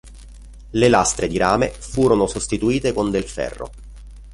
Le lastre di rame furono sostituite con del ferro.